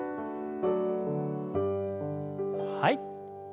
はい。